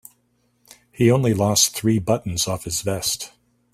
He only lost three buttons off his vest.